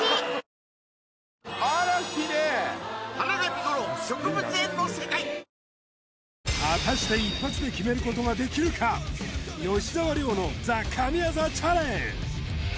ニトリ果たして１発で決めることができるか吉沢亮のＴＨＥ神業チャレンジ